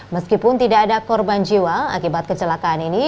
meskipun tidak ada korban jiwa akibat kecelakaan ini